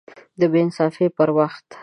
د بې انصافۍ پر وخت